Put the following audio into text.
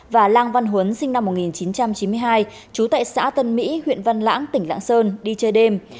và lan văn huấn sinh năm một nghìn chín trăm chín mươi hai trú tại xã tân mỹ huyện văn lãng tỉnh lạng sơn đi chơi đêm